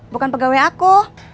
bukan pegawai aku